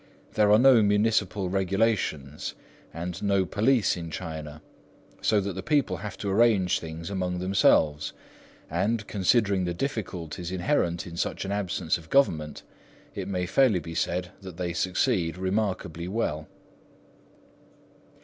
There are no municipal regulations and no police in China, so that the people have to arrange things among themselves; and, considering the difficulties inherent in such an absence of government, it may fairly be said that they succeed remarkably well.